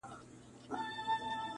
نیمه تنه یې سوځېدلې ده لا شنه پاته ده-